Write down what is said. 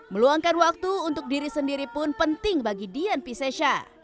meluangkan waktu untuk diri sendiri pun penting bagi dian piscesha